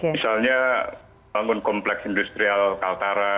misalnya bangun kompleks industrial kaltara